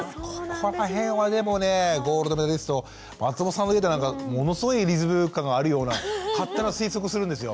ここら辺はでもねえゴールドメダリストの松本さんの家ではものすごいリズム感があるような勝手な推測するんですよ。